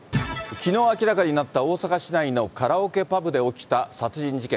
きのう、明らかになった大阪市内のカラオケパブで起きた殺人事件。